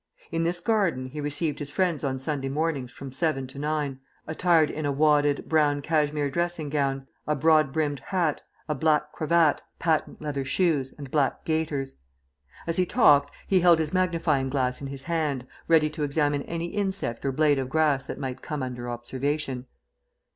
In this garden he received his friends on Sunday mornings from seven to nine, attired in a wadded, brown cashmere dressing gown, a broad brimmed hat, a black cravat, patent leather shoes, and black gaiters. As he talked, he held his magnifying glass in his hand, ready to examine any insect or blade of grass that might come under observation.